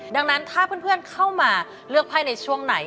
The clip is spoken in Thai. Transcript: ดังนั้นถ้าเพื่อนเข้ามาเลือกไพ่ในช่วงไหน